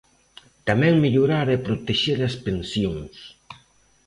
Tamén mellorar e protexer as pensións.